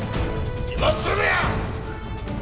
「今すぐや！」